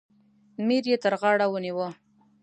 میر یې تر غاړه ونیوی.